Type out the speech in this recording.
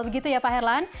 begitu ya pak herlan